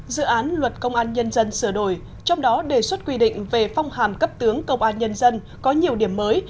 dự án luật công an nhân dân sửa đổi trong đó đề xuất quy định về phong hàm cấp tướng công an nhân dân có nhiều điểm mới